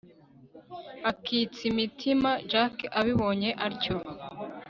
akitsa imitima jack abibonye atyo